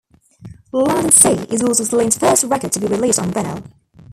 "Land and Sea" is also Slean's first record to be released on vinyl.